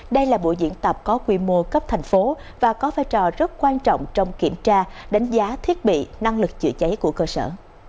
đây là buổi diễn tập có quy mô cấp thành phố và có vai trò rất quan trọng trong kiểm tra đánh giá thiết bị năng lực chữa cháy của cơ sở